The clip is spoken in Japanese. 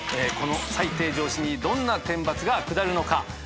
この最低上司にどんな天罰が下るのか？